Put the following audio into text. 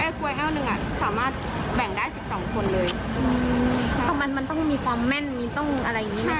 เอ๊ะควายแอลหนึ่งอ่ะสามารถแบ่งได้สิบสองคนเลยอืมมันมันต้องมีความแม่นมีต้องอะไรอย่างงี้